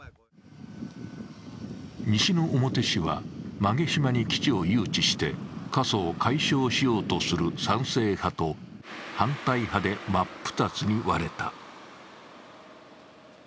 西之表市は馬毛島に基地を誘致して過疎を解消とする賛成派と反対派で真っ二つに割れた。